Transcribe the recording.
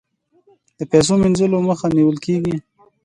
د پیسو مینځلو مخه نیول کیږي